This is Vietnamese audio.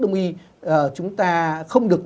đông y chúng ta không được